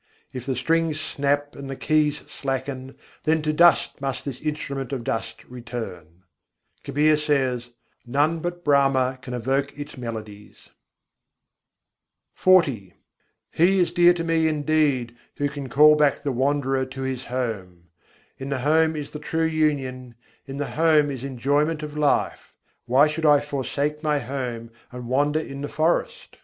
If the strings snap and the keys slacken, then to dust must this instrument of dust return: Kabîr says: "None but Brahma can evoke its melodies." XL I. 65. avadhû bhûle ko ghar lâwe He is dear to me indeed who can call back the wanderer to his home. In the home is the true union, in the home is enjoyment of life: why should I forsake my home and wander in the forest?